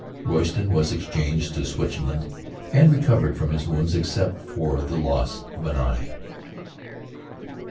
Royston was exchanged to Switzerland and recovered from his wounds except for the loss of an eye.